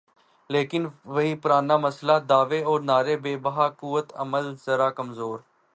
لیکن وہی پرانا مسئلہ، دعوے اور نعرے بے بہا، قوت عمل ذرا کمزور۔